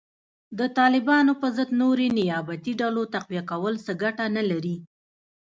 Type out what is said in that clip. د طالبانو په ضد نورې نیابتي ډلو تقویه کول څه ګټه نه لري